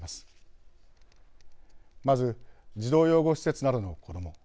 まず児童養護施設などの子ども。